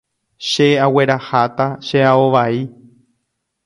Che aguerahata che ao vai.